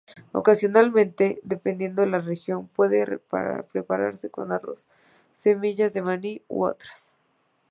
Ocasionalmente, dependiendo la región, puede prepararse con arroz, semillas de maní u otras.